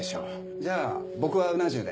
じゃあ僕はうな重で。